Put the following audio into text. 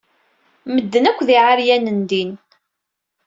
Medden akk d iɛeryanen din.